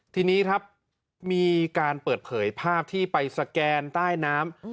ทีนี้ครับมีการเปิดเผยภาพที่ไปสแกนใต้น้ำ